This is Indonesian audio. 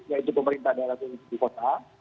yaitu pemerintah daerah khusus ibu kota